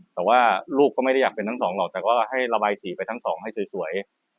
แต่ว่าลูกก็ไม่ได้อยากเป็นทั้งสองหรอกแต่ก็ให้ระบายสีไปทั้งสองให้สวย